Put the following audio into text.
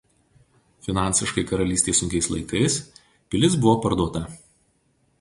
Finansiškai karalystei sunkiais laikais pilis buvo parduota.